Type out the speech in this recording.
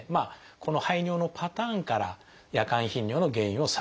この排尿のパターンから夜間頻尿の原因を探ります。